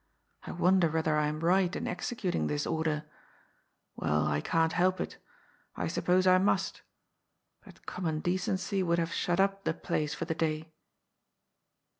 I wonder whether I am right in executing this order. Well, I can't help it I suppose I must. But common decency would have shut up the place for the day."